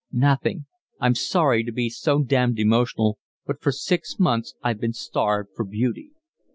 "Nothing. I'm sorry to be so damned emotional, but for six months I've been starved for beauty."